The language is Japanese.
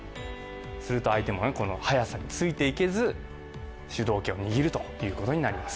すると相手もこの速さについていけず、主導権を握るということになります。